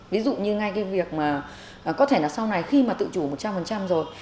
ví dụ như ngay cái việc mà có thể là sau này khi mà tự chủ một trăm linh rồi